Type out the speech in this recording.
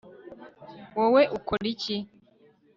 Wowe ukora iki